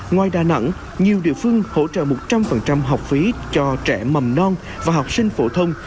ngoài đà nẵng nhiều địa phương hỗ trợ một trăm linh học phí cho trẻ mầm non và học sinh phổ thông